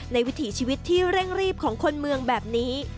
วิถีชีวิตที่เร่งรีบของคนเมืองแบบนี้